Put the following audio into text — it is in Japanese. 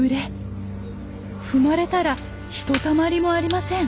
踏まれたらひとたまりもありません。